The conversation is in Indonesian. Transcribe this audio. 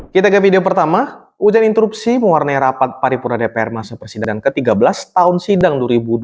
kita ke video pertama ujian interupsi mengwarnai rapat paripura dpr masa persidangan ke tiga belas tahun sidang dua ribu dua puluh tiga dua ribu dua puluh empat